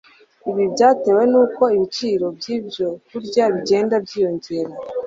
ibi byatewe n' uko ibiciro by' ibyo kurya bigenda byiyongera